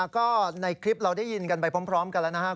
ก็ในคลิปเราได้ยินกันไปพร้อมกันแล้วนะครับ